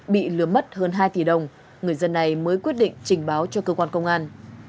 bị lừa mất hơn hai tỷ đồng người dân này mới quyết định trình báo cho cơ quan công an